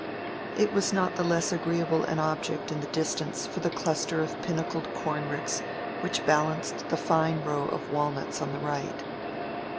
It was not the less agreeable an object in the distance for the cluster of pinnacled corn ricks which balanced the fine row of walnuts on the right.